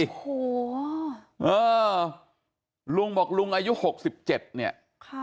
โอ้โหเออลุงบอกลุงอายุ๖๗เนี่ย